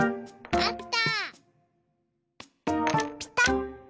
あった！